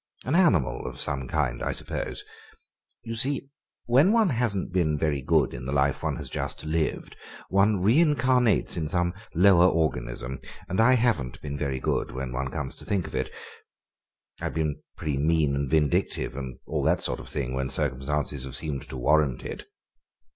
An animal of some kind, I suppose. You see, when one hasn't been very good in the life one has just lived, one reincarnates in some lower organism. And I haven't been very good, when one comes to think of it. I've been petty and mean and vindictive and all that sort of thing when circumstances have seemed to warrant it."